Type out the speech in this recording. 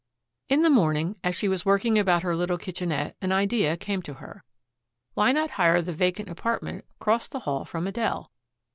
In the morning as she was working about her little kitchenette an idea came to her. Why not hire the vacant apartment cross the hall from Adele?